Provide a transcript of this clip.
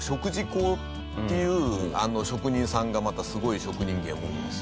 工っていう職人さんがまたすごい職人芸を持ってます。